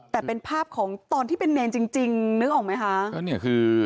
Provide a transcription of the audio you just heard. แต่เป็นภาพของตอนที่เป็นเนรจริงจริงนึกออกไหมคะ